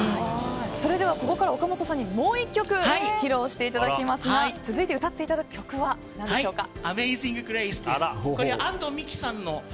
それではここから岡本さんにもう１曲披露していただきますが続いて歌っていただく曲は何でしょうか。